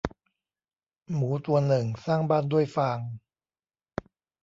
หมูตัวหนึ่งสร้างบ้านด้วยฟาง